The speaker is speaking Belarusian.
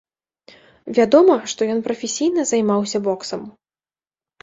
Вядома, што ён прафесійна займаўся боксам.